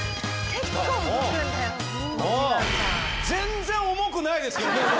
全然重くないですけどね